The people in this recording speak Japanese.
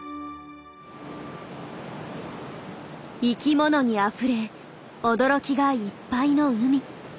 生きものにあふれ驚きがいっぱいの海。